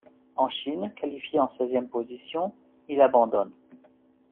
En Chine, qualifié en seizième position, il abandonne.